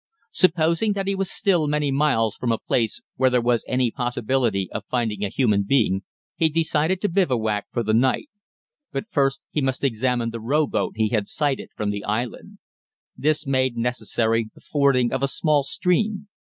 Supposing that he was still many miles from a place where there was any possibility of finding a human being, he decided to bivouac for the night; but first he must examine the rowboat he had sighted from the island. This made necessary the fording of a small stream.